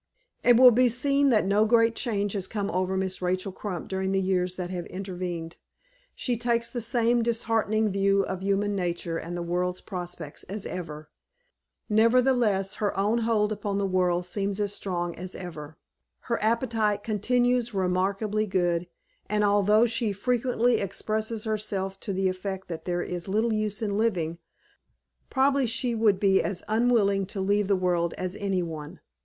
It will be seen that no great change has come over Miss Rachel Crump during the years that have intervened. She takes the same disheartening view of human nature and the world's prospects, as ever. Nevertheless, her own hold upon the world seems as strong as ever. Her appetite continues remarkably good, and although she frequently expresses herself to the effect that there is little use in living, probably she would be as unwilling to leave the world as any one.